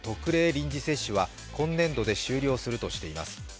臨時接種は今年度で終了するとしています。